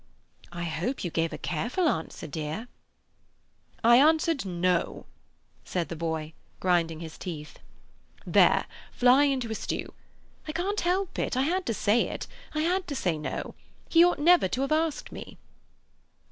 "I hope you gave a careful answer, dear." "I answered 'No'" said the boy, grinding his teeth. "There! Fly into a stew! I can't help it—had to say it. I had to say no. He ought never to have asked me."